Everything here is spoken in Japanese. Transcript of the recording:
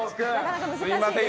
すいません。